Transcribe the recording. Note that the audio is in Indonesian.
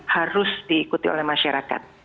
harus diikuti oleh masyarakat